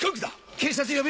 警察呼べ！